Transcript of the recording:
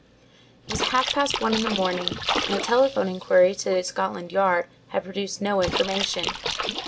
It was half past one in the morning, and a telephone inquiry to Scotland Yard had produced no information.